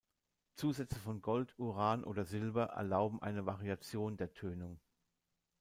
Zusätze von Gold, Uran oder Silber erlaubten eine Variation der Tönung.